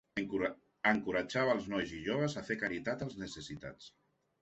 Encoratjava els nens i joves a fer caritat als necessitats.